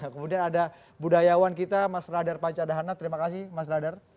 kemudian ada budayawan kita mas radar panca dahana terima kasih mas radar